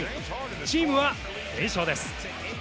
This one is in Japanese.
チームは連勝です。